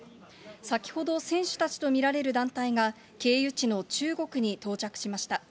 先ほど選手たちと見られる団体が経由地の中国に到着しました。